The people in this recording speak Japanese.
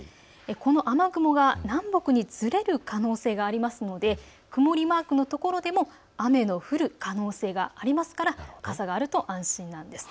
この雨雲が南北にずれる可能性がありますので曇りマークのところでも雨の降る可能性がありますから傘があると安心なんです。